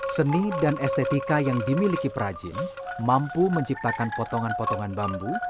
seni dan estetika yang dimiliki perajin mampu menciptakan potongan potongan bambu